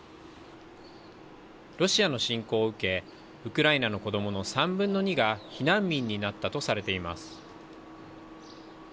ロシアの侵攻を受け、ウクライナの子どもの３分の２が避難民になったとされています。